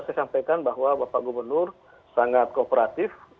saya ingin saya sampaikan bahwa bapak gubernur sangat kooperatif